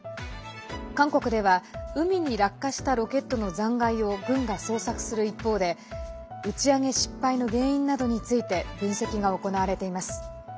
韓国では海に落下したロケットの残骸を軍が捜索する一方で打ち上げ失敗の原因などについて分析が行われています。